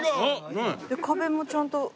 で壁もちゃんと。